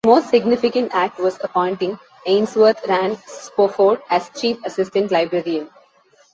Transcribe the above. His most significant act was appointing Ainsworth Rand Spofford as Chief Assistant Librarian.